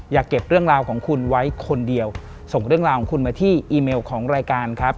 อย่าเก็บเรื่องราวของคุณไว้คนเดียวส่งเรื่องราวของคุณมาที่อีเมลของรายการครับ